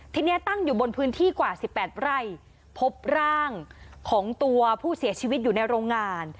ทีนี้ตั้งอยู่บนพื้นที่กว่า๑๘ไร่พบร่างของตัวผู้เสียชีวิตอยู่ในโรงงาน